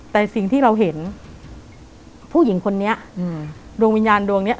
แต่สิ่งที่เราเห็นผู้หญิงคนนี้อืมดวงวิญญาณดวงเนี้ย